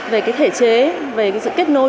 về thể chế về sự kết nối